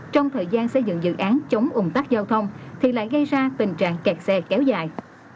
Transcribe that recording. trong thời gian xây dựng dự án chống ung tắc giao thông thì lại gây ra tình trạng kẹt xe kéo dài